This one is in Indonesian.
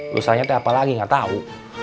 lu sayangnya apa lagi gak tau